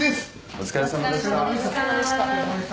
お疲れさまでした。